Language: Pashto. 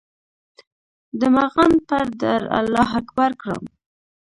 د مغان پر در الله اکبر کړم